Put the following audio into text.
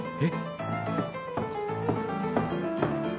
えっ！？